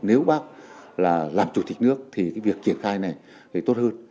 nếu bác là làm chủ tịch nước thì cái việc triển khai này tốt hơn